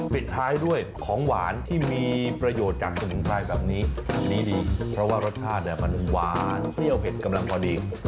เพราะว่ารสชาติมันหวานเพราะไม่เอาเผ็ดกำลังพอดี